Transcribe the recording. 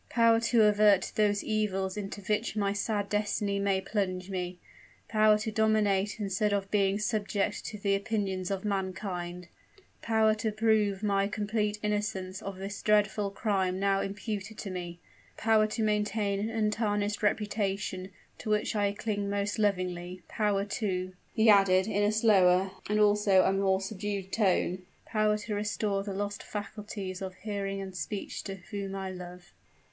_ power to avert those evils into which my sad destiny may plunge me, power to dominate instead of being subject to the opinions of mankind, power to prove my complete innocence of the dreadful crime now imputed to me, power to maintain an untarnished reputation, to which I cling most lovingly, power, too," he added in a slower and also a more subdued tone "power to restore the lost faculties of hearing and speech to her whom I love."